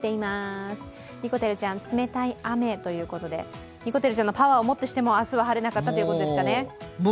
朝から雨、降っています、にこてるちゃん、冷たい雨ということでにこてるちゃんのパワーをもってしても、明日は晴れなかったということですね。